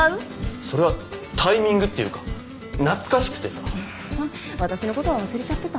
それはタイミングっていうか懐かしくてさ私のことは忘れちゃってた？